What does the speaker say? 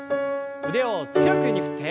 腕を強く上に振って。